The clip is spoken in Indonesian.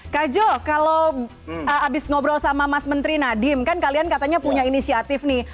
kak jo kalau abis ngobrol sama mas menteri nadiem kan kalian katanya punya inisiatif nih